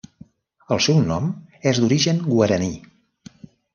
El seu nom és d'origen guaraní.